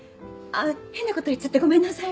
変なこと言っちゃってごめんなさい。